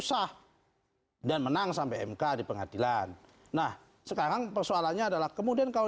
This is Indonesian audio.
sah dan menang sampai mk di pengadilan nah sekarang persoalannya adalah kemudian kalau